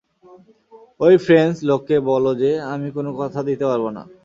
ঐ ফ্রেঞ্চ লোককে বলো যে, আমি কোনো কথা দিতে পারব না।